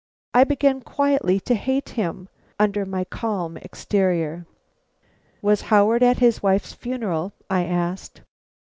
I began quietly to hate him, under my calm exterior. "Was Howard at his wife's funeral?" I asked.